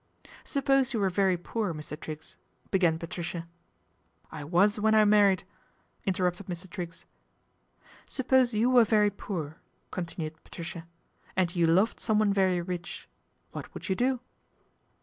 " Suppose you were very poor, Mr. Triggs, 1 began Patricia. " I was when I married," interrupted Mi Triggs. " Suppose you were very poor," continue Patricia, " and you loved someone very rid What would you do